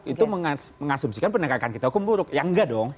itu mengasumsikan penegakan kita hukum buruk ya enggak dong